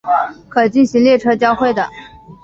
可进行列车交会的。